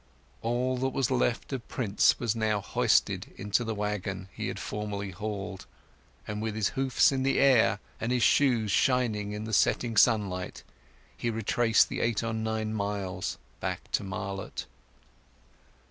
All that was left of Prince was now hoisted into the waggon he had formerly hauled, and with his hoofs in the air, and his shoes shining in the setting sunlight, he retraced the eight or nine miles to Marlott.